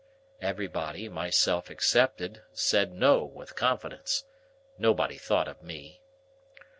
Everybody, myself excepted, said no, with confidence. Nobody thought of me.